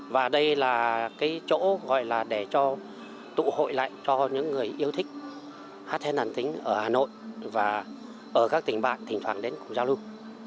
và đây là cái chỗ gọi là để cho tụ hội lại cho những người yêu thích hát then đàn tính ở hà nội và ở các tỉnh bạn thỉnh thoảng đến cùng giao lưu